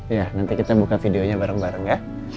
iya nanti kita buka videonya bareng bareng ya